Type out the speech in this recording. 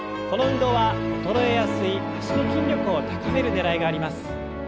この運動は衰えやすい脚の筋力を高めるねらいがあります。